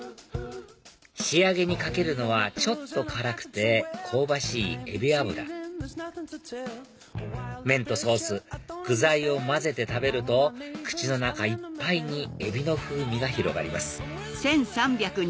仕上げにかけるのはちょっと辛くて香ばしいエビ油麺とソース具材を混ぜて食べると口の中いっぱいにエビの風味が広がります